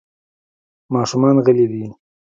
ماشومان غلي دي .